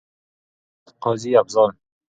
حسين، قاضي افضال.